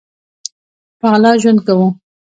په غلا ژوند کوو